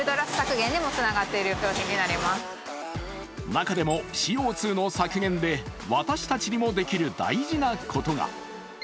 中でもＣＯ２の削減で私たちにもできる大事なことが。